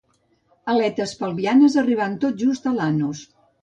Aletes pelvianes arribant tot just a l'anus.